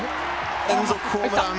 連続ホームラン。